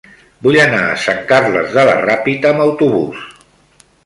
Vull anar a Sant Carles de la Ràpita amb autobús.